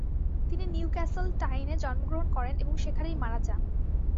তিনি নিউক্যাসল টাইনে জন্মগ্রহণ করেন এবং সেখানেই মারা যান।